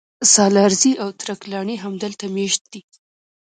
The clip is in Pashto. سالارزي او ترک لاڼي هم دلته مېشت دي